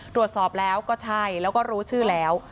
ตรวจสอบแล้วก็ใช่แล้วก็รู้ชื่อแล้ว